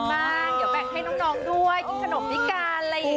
ทำบุญบ้างเดี๋ยวแบกให้น้องด้วยกินขนมพิการอะไรอย่างนี้